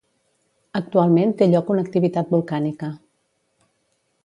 Actualment té lloc una activitat volcànica.